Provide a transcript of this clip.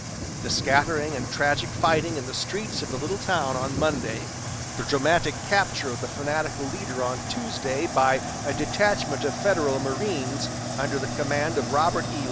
The scattering and tragic fighting in the streets of the little town on Monday; the dramatic capture of the fanatical leader on Tuesday by a detachment of Federal marines under the command of Robert E.